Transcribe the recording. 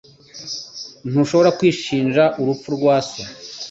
Ntushobora kwishinja urupfu rwa so.